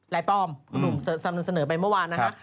ลายปลอมนุ่มเสนอไปเมื่อวายนนะครับ